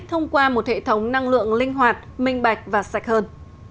thông qua một hệ thống năng lượng linh hoạt minh bạch và sạch hơn